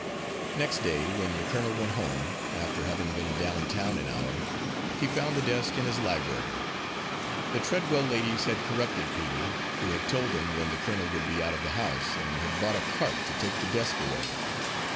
Next day, when the colonel went home, after having been down town an hour, he found the desk in his library. The Treadwell ladies had corrupted Peter, who had told them when the colonel would be out of the house and had brought a cart to take the desk away.